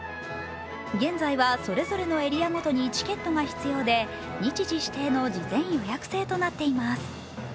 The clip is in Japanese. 現在は、それぞれのエリアごとにチケットが必要で、日時指定の事前予約制となっています。